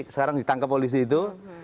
sekarang ditangkap polisi itu